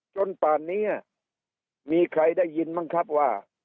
จนป่านเนี้ยมีใครได้ยินมั้งครับว่า